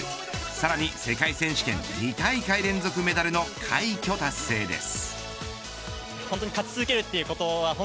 さらに世界選手権２大会連続メダルの快挙達成です。